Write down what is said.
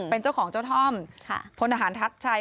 เป็นเจ้าของเจ้าท่อมพลทหารทัศน์ชัย